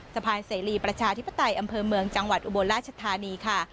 สะพานเสรีประชาธิปไตยอำเภอเมืองจังหวัดอุบลราชธานีค่ะ